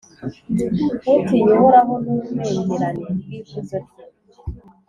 utinye Uhoraho n’ububengerane bw’ikuzo rye.